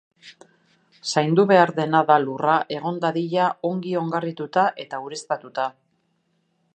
Zaindu behar dena da lurra egon dadila ongi ongarrituta eta ureztatuta.